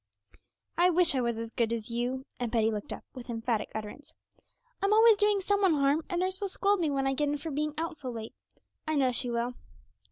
'I wish I was as good as you.' And Betty looked up with emphatic utterance. 'I'm always doing some one harm, and nurse will scold me when I get in for being out so late I know she will.